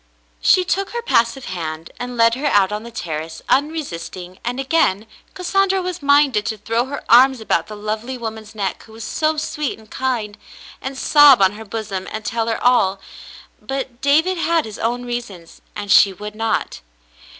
She took her passive hand and led her out on the terrace unresisting, and again Cassandra was minded to throw her arms about the lovely woman's neck, who was so sweet and kind, and sob on her bosom and tell her all — but David had his own reasons, and she would not.